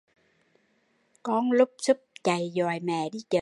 Con lúp xúp chạy dọi mẹ đi chợ